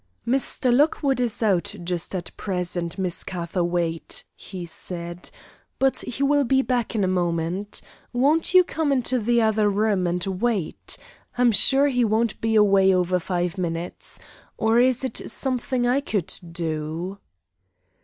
"Mr. Lockwood is out just at present, Miss Catherwaight," he said, "but he will be back in a moment. Won't you come into the other room and wait? I'm sure he won't be away over five minutes. Or is it something I could do?"